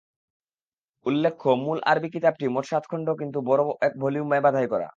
উল্লেখ্য মূল আরবী কিতাবটি মোট সাত খণ্ড কিন্তু বড় এক ভলিউমে বাধাই করা।